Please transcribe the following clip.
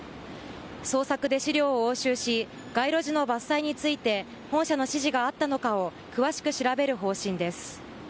捜索で資料を押収し街路樹の伐採について本社の指示があったのかを詳しく調べる方針です。